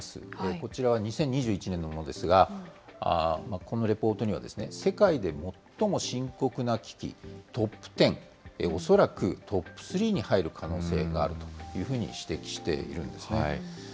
こちら、２０２１年のものですが、このレポートには、世界で最も深刻な危機トップ１０、恐らくトップ３に入る可能性があるというふうに指摘しているんですね。